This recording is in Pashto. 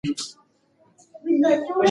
ذهني فشار نښې زیاتوي.